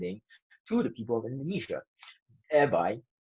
dengan itu kami dapat memperbaiki perjalanan ini